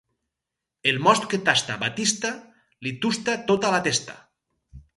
El most que tasta Baptista li tusta tota la testa.